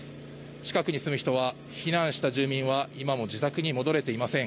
近くに住む人は避難した住民は今も自宅に戻れていません。